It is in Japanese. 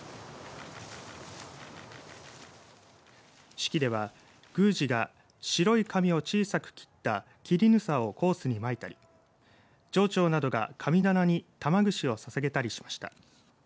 式では宮司が白い紙を小さく切った切麻をコースにまいたり場長などが神棚に玉串をささげたりしました。